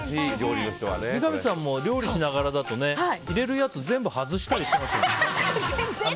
三上さんも料理しながらだと入れるやつ全部外したりとかしてましたよね。